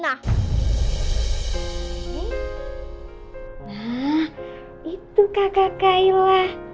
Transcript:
nah itu kakak kakak ilah